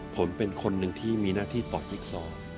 ผมเป็นคนหนึ่งที่มีหน้าที่ต่อจิ๊กซอ